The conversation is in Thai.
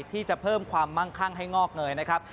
ที่จะเพิ่มความมั่งคั่งให้งอกเงยนะครับ